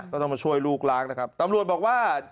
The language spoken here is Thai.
ต้องมาช่วยลูกล้างนะครับตำรวจบอกว่า